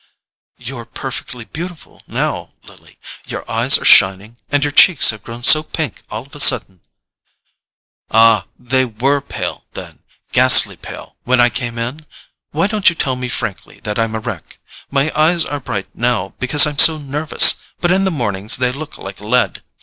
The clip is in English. "You're perfectly beautiful now, Lily: your eyes are shining, and your cheeks have grown so pink all of a sudden——" "Ah, they WERE pale, then—ghastly pale, when I came in? Why don't you tell me frankly that I'm a wreck? My eyes are bright now because I'm so nervous—but in the mornings they look like lead.